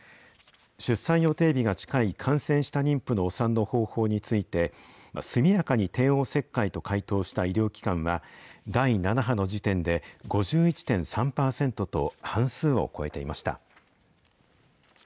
出産予定日が近い、感染した妊婦のお産の方法について、速やかに帝王切開と回答した医療機関は、第７波の時点で５１．３％と、半数を超えていました。